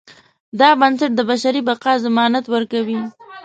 دا بنسټ د بشري بقا ضمانت ورکوي.